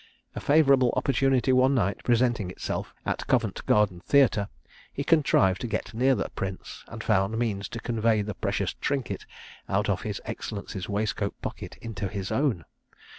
A favourable opportunity one night presenting itself at Covent garden Theatre, he contrived to get near the prince, and found means to convey the precious trinket out of his excellency's waistcoat pocket into his own.